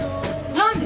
何で？